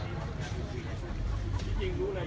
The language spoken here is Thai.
สวัสดีครับคุณผู้ชาย